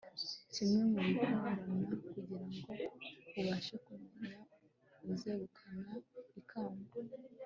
kimwe mu bigorana kugira ngo ubashe kumenya uzegukana ikamba